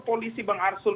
polisi bang erasmus